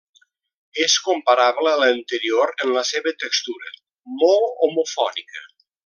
És comparable a l'anterior en la seva textura: molt homofònica.